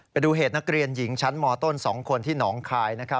ไปดูเหตุนักเรียนหญิงชั้นมต้น๒คนที่หนองคาย